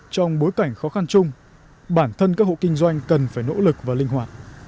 trong bối cảnh khó khăn chung bản thân các hộ kinh doanh cần phải nỗ lực và linh hoạt